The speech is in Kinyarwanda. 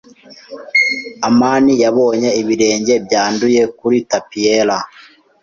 amani yabonye ibirenge byanduye kuri tapi yera.